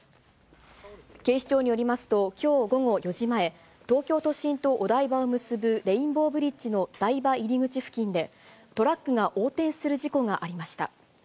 警視庁によりますと、きょう午後４時前、東京都心とお台場を結ぶレインボーブリッジの台場入り口付近で、トラックが横転する事故がありました。